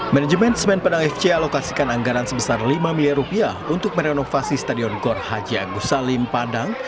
manajemen semen padang fc alokasikan anggaran sebesar lima miliar rupiah untuk merenovasi stadion gor haji agus salim padang